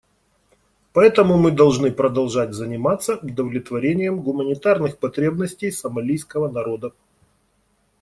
Поэтому мы должны продолжать заниматься удовлетворением гуманитарных потребностей сомалийского народа.